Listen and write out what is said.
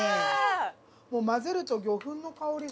混ぜると魚粉の香りが。